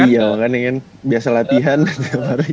iya kan ingin biasa latihan setiap hari